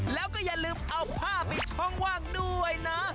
แล้วก็อย่าลืมเอาผ้าปิดช่องว่างด้วยนะ